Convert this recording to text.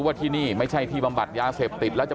แต่ว่าวินนิสัยดุเสียงดังอะไรเป็นเรื่องปกติอยู่แล้วครับ